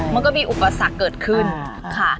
มันก็มีอุปสรรคเกิดขึ้นค่ะ